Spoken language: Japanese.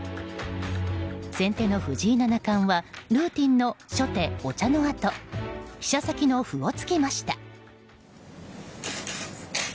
先手の藤井七冠はルーティンの初手お茶のあと飛車先の歩を突きました。